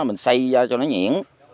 mình xây ra cho nó nhiễn